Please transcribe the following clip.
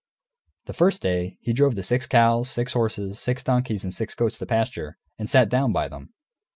The first day, he drove the six cows, six horses, six donkeys, and six goats to pasture, and sat down by them.